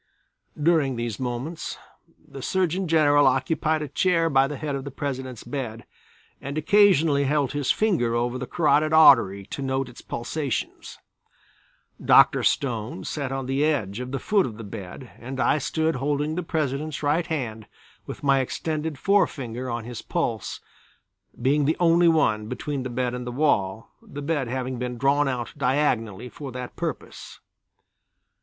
During these moments the Surgeon General occupied a chair by the head of the President's bed and occasionally held his finger over the carotid artery to note its pulsations. Dr. Stone sat on the edge of the foot of the bed, and I stood holding the President's right hand with my extended forefinger on his pulse, being the only one between the bed and the wall, the bed having been drawn out diagonally for that purpose.